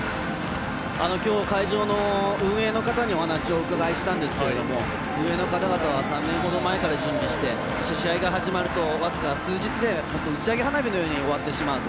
きょう、会場の運営の方にお話をお伺いしたんですけれども運営の方々は３年ほど前から準備して、試合が始まると僅か数日で本当に打ち上げ花火のように終わってしまうと。